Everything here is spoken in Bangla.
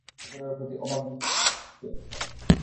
জনতা অজগরের প্রতি অবাক দৃষ্টিতে তাকিয়ে রইল।